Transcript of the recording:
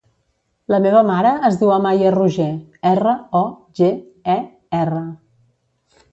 La meva mare es diu Amaya Roger: erra, o, ge, e, erra.